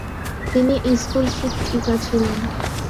তিনি স্কুল শিক্ষিকা ছিলেন।